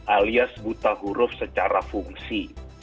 alias buta huruf secara fungsi